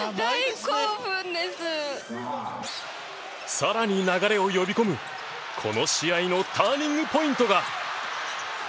更に流れを呼び込むこの試合のターニングポイントが。